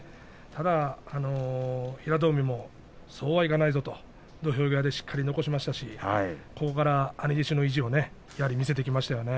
ただ平戸海もそうはいかないぞと土俵際でしっかり残しましたし兄弟子の意地を見せてきましたね。